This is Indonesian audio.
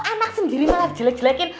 anak sendiri malah jelek jelekin